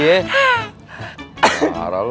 gak marah lu